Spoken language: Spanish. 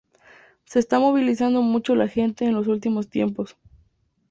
Se está movilizando mucho la gente en los últimos tiempos.